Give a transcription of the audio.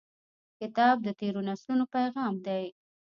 کتاب د تیرو نسلونو پیغام دی.